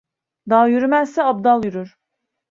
Dağ yürümezse abdal yürür.